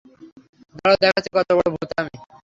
দাঁড়াও দেখাচ্ছি কত বড় ভুত আমি!